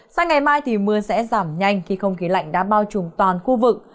sau ngày mai thì mưa sẽ giảm nhanh khi không khí lạnh đã bao trùng toàn khu vực